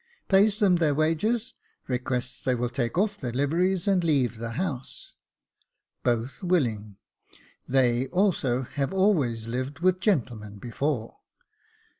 Pays them their wages, requests they will take off their liveries, and leave the house. Both willing. They also had always lived with gentlemen before.